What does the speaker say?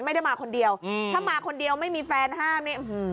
ไม่ได้มาคนเดียวถ้ามาคนเดียวไม่มีแฟนห้าม